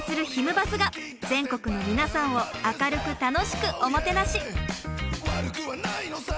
バスが全国の皆さんを明るく楽しくおもてなし。